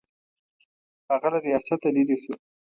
هغه له ریاسته لیرې شو.